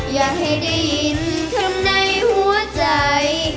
อย่าให้ได้ยินคำในหัวใจ